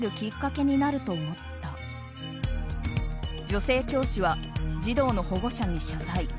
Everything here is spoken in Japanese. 女性教師は児童の保護者に謝罪。